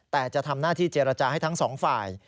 แต่จะทำหน้าที่เจรจาให้ทั้งสองฝ่าย